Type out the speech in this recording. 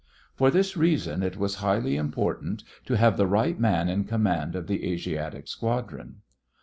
For this reason it was highly important to have the right man in command of the Asiatic Squadron.